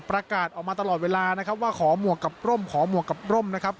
ประกาศออกมาตลอดเวลานะครับว่าขอหมวกกับร่มขอหมวกกับร่มนะครับ